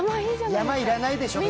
山、要らないでしょう。